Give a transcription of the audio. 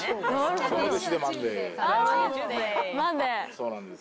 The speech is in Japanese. そうなんです。